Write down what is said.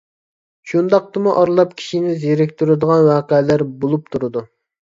شۇنداقتىمۇ ئارىلاپ كىشىنى زېرىكتۈرىدىغان ۋەقەلەر بولۇپ تۇرىدۇ.